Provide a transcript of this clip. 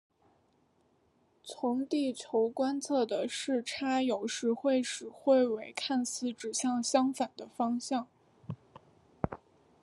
从地球观测的视差有时会使彗尾看似指向相反的方向。